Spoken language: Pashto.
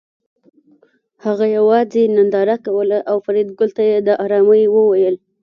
هغه یوازې ننداره کوله او فریدګل ته یې د ارامۍ وویل